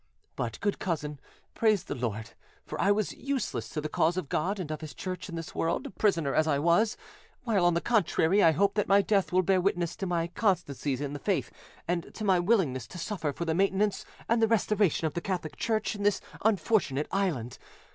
But, good cousin, praise the Lord; for I was useless to the cause of God and of His Church in this world, prisoner as I was; while, on the contrary, I hope that my death will bear witness to my constancy in the faith and to my willingness to suffer for the maintenance and the restoration of the Catholic Church in this unfortunate island.